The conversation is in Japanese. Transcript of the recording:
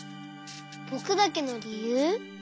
ぼくだけのりゆう？